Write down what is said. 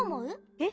えっ？